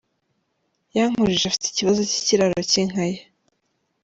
Yankurije afite ikibazo cy’ikiraro cy’inka ye.